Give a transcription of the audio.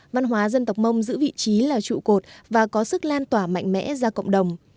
văn hóa dân tộc mông giữ vị trí là trụ cột và có sức lan tỏa mạnh mẽ ra cộng đồng